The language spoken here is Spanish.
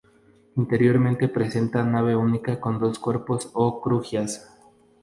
Interiormente presenta nave única con dos cuerpos o crujías.